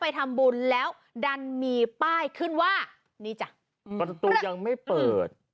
ไปทำบุญแล้วดันมีป้ายขึ้นว่านี่จ้ะประตูยังไม่เปิด